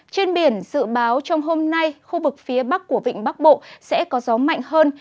trên biển dự báo trong hôm nay khu vực phía bắc của vịnh bắc bộ sẽ có gió mạnh hơn